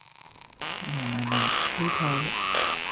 嗱嗱嗱，呢套